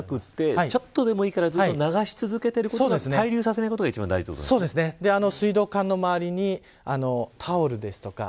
量じゃなくて、ちょっとでもいいからずっと流し続けることが滞留させないことが水道管の周りにタオルですとか